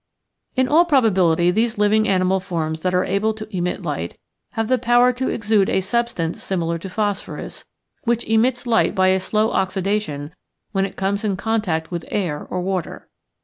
In all probability these living animal forms that are able to emit light have the power to exude a substance similar to phosphorus, which emits light by a slow oxidation when it comes in contact with air or water.